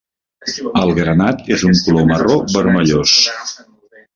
El granat és un color marró vermellós.